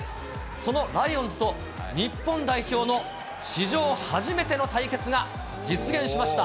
そのライオンズと日本代表の史上初めての対決が実現しました。